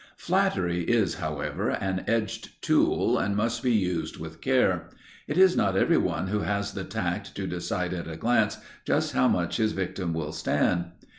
Flattery is, however, an edged tool, and must be used with care. It is not everyone who has the tact to decide at a glance just how much his victim will stand.